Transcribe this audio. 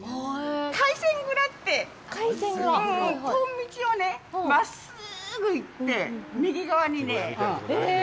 海鮮蔵ってこの道を真っすぐ行って右側にね。